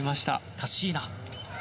カッシーナ。